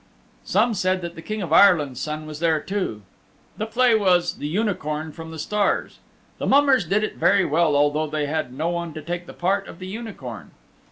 Some said that the King of Ireland's Son was there too. The play was "The Unicorn from the Stars." The mummers did it very well although they had no one to take the part of the Unicorn.